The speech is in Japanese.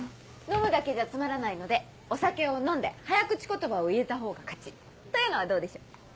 飲むだけじゃつまらないのでお酒を飲んで早口言葉を言えたほうが勝ちというのはどうでしょう？